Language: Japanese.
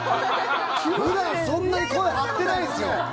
普段そんなに声張ってないですよ。